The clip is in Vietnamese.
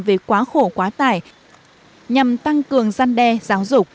về quá khổ quá tải nhằm tăng cường gian đe giáo dục